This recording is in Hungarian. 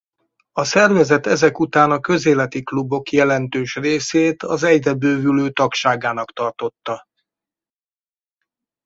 A szervezet ezek után a Közéleti Klubok jelentős részét az egyre bővülő tagságának tartotta.